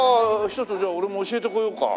一つじゃあ俺も教えてこようか。